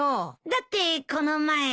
だってこの前。